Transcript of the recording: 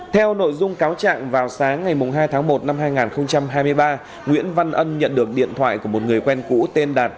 theo nội dung cáo trạng vào sáng ngày hai tháng một năm hai nghìn hai mươi ba nguyễn văn ân nhận được điện thoại của một người quen cũ tên đạt